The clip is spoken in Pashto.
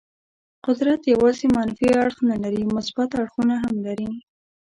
قدرت یوازې منفي اړخ نه لري، مثبت اړخونه هم لري.